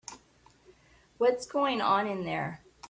What's going on in there?